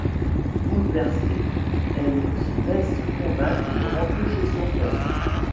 Bouleversée, elle se laisse convaincre de rentrer chez son père.